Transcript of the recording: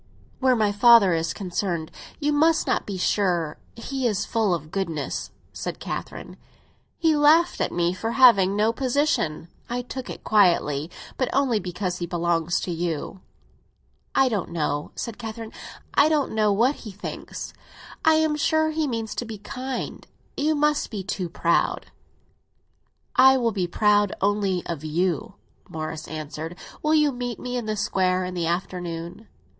"Where my father is concerned, you must not be sure. He is full of goodness," said Catherine. "He laughed at me for having no position! I took it quietly; but only because he belongs to you." "I don't know," said Catherine; "I don't know what he thinks. I am sure he means to be kind. You must not be too proud." "I will be proud only of you," Morris answered. "Will you meet me in the Square in the afternoon?"